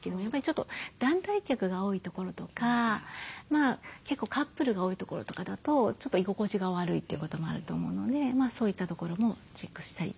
ちょっと団体客が多いところとか結構カップルが多いところとかだとちょっと居心地が悪いってこともあると思うのでそういったところもチェックしたりとか。